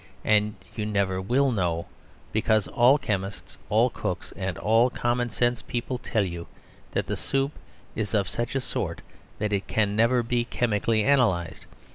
And you never will know, because all chemists, all cooks, and all common sense people tell you that the soup is of such a sort that it can never be chemically analysed.